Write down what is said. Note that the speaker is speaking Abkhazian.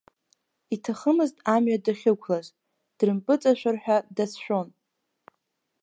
Иҭахымызт амҩа дахьықәлаз, дрымпыҵашәар ҳәа дацәшәон.